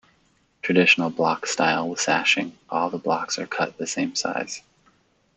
Traditional Block Style with Sashing - All the blocks are cut the same size.